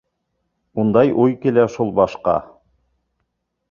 Ундай уй килә шул башҡа.